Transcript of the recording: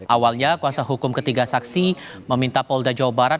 awalnya kuasa hukum ketiga saksi meminta polda jawa barat